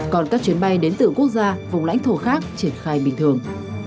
còn các chuyến bay đến từ quốc gia vùng lãnh thổ khác triển khai bình thường